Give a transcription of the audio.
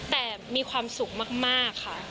แต่มีความสุขมากค่ะ